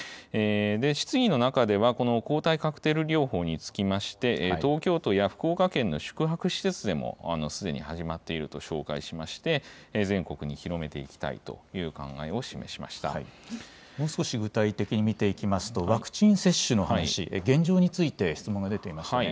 質疑の中では、この抗体カクテル療法につきまして、東京都や福岡県の宿泊施設でも、すでに始まっていると紹介しまして、全国に広めていきたいという考えを示しまもう少し具体的に見ていきますと、ワクチン接種の話、現状について、質問が出ていましたね。